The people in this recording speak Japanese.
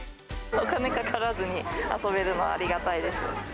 お金かからずに遊べるのはありがたいです。